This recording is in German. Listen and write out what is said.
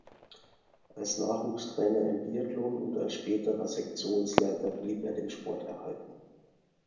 Als Nachwuchstrainer im Biathlon und als späterer Sektionsleiter blieb er dem Sport erhalten.